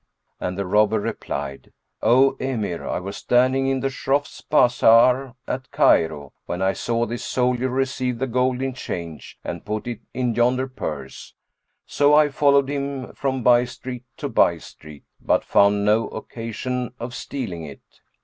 and the robber replied, "O Emir, I was standing in the Shroff's[FN#396] bazar at Cairo, when I saw this soldier receive the gold in change and put it in yonder purse; so I followed him from by street to by street, but found no occasion of stealing it.